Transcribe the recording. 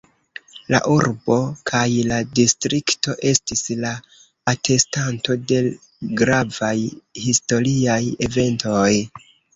La urbo kaj la distrikto estis la atestanto de gravaj historiaj eventoj.